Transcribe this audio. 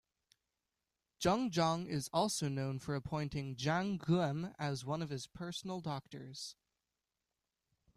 Jungjong is also known for appointing Jang Geum as one of his personal doctors.